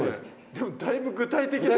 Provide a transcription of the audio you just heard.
でもだいぶ具体的な。